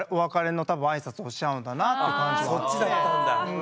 そっちだったんだ。